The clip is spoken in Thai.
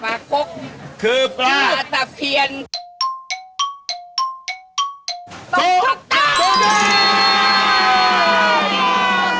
ปลาโครคือปลาก็กเถิคือปลาปลาตับเทียน